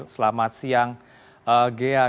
selamat siang ghea